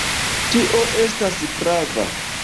Tio estas prava.